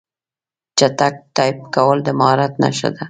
چټک ټایپ کول د مهارت نښه ده.